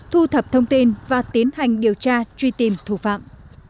thu thập thông tin và tiến hành điều tra truy tìm thủ phạm